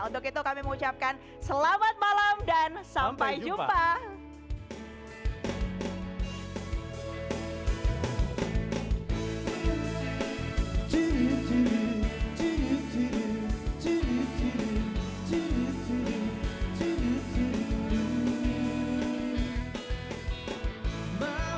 untuk itu kami mengucapkan selamat malam dan sampai jumpa